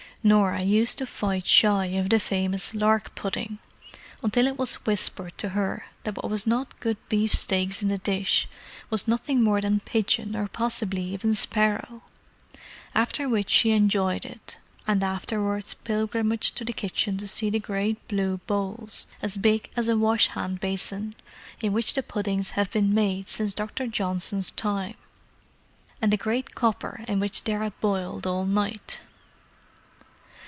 Norah used to fight shy of the famous "lark pudding" until it was whispered to her that what was not good beef steaks in the dish was nothing more than pigeon or possibly even sparrow! after which she enjoyed it, and afterwards pilgrimaged to the kitchen to see the great blue bowls, as big as a wash hand basin, in which the puddings have been made since Dr. Johnson's time, and the great copper in which they are boiled all night.